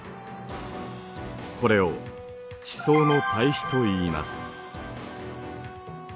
これを地層の対比といいます。